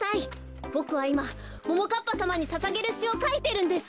ボクはいまももかっぱさまにささげるしをかいてるんです。